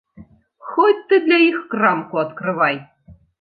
Хоць ты для іх крамку адкрывай!